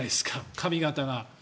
髪形が。